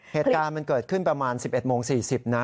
เหตุการณ์มันเกิดขึ้นประมาณ๑๑โมง๔๐นะ